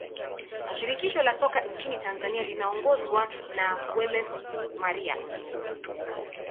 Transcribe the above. shirikisho la soka nchini Tanzania linaongozwa na wallace Maria